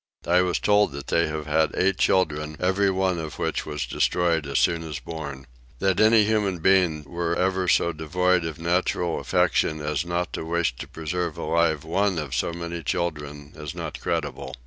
I was told that they have had eight children, every one of which was destroyed as soon as born. That any human beings were ever so devoid of natural affection as not to wish to preserve alive one of so many children is not credible.